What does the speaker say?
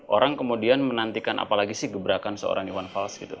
orang kemudian menantikan apalagi sih gebrakan seorang iwan fals gitu